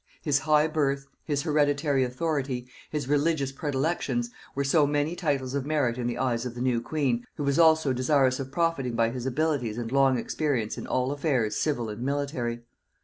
His high birth, his hereditary authority, his religious predilections, were so many titles of merit in the eyes of the new queen, who was also desirous of profiting by his abilities and long experience in all affairs civil and military.